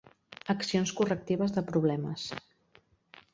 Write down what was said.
Accions correctives de problemes.